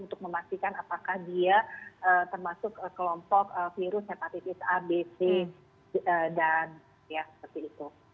untuk memastikan apakah dia termasuk kelompok virus hepatitis a b c dan ya seperti itu